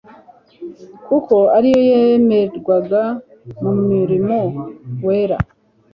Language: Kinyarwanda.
kuko ari yo yemerwaga mu murimo wera.